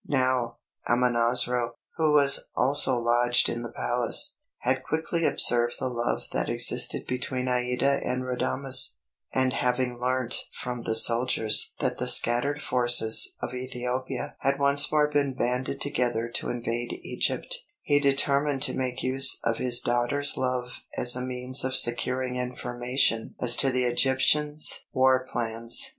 Now, Amonasro, who was also lodged in the Palace, had quickly observed the love that existed between Aïda and Radames; and having learnt from the soldiers that the scattered forces of Ethiopia had once more been banded together to invade Egypt, he determined to make use of his daughter's love as a means of securing information as to the Egyptians' war plans.